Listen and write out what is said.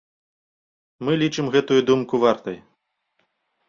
Мы лічым гэтую думку вартай.